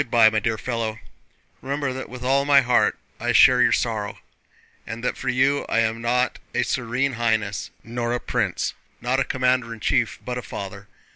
"Well, good by, my dear fellow; remember that with all my heart I share your sorrow, and that for you I am not a Serene Highness, nor a prince, nor a commander in chief, but a father!